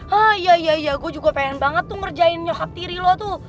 hah ya iya gue juga pengen banget tuh ngerjain nyohab tiri lo tuh